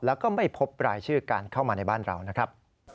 แล้วก็ไม่พบรายชื่อการเข้ามาในบ้านเรานะครับ